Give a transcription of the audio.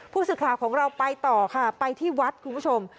ผู้สื่อข่าวของเราไปต่อค่ะไปที่วัดคุณผู้ชม